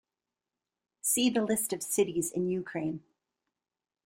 See the list of cities in Ukraine.